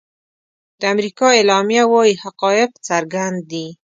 د امریکا اعلامیه وايي حقایق څرګند دي.